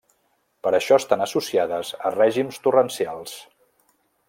Per això estan associades a règims torrencials.